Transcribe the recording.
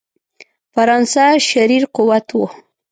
فرانسه شریر قوت وو.